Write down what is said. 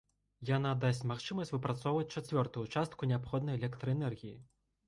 Яна дасць магчымасць выпрацоўваць чацвёртую частку неабходнай электраэнергіі.